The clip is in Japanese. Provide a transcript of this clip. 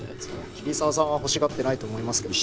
桐沢さんは欲しがってないと思いますけど。